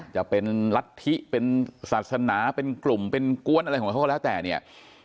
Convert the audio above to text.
จะเป็นรัฐธิเป็นศาสนาเป็นกลุ่มเป็นกวนอะไรของเขาก็แล้วแต่เนี่ย